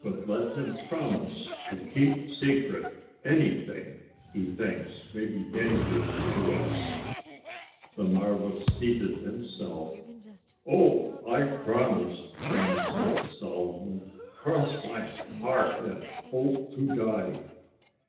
But let him promise to keep secret anything he thinks may be dangerous to us." The marva seated himself. "Oh, I promise," Johnny said solemnly. "Cross my heart and hope to die."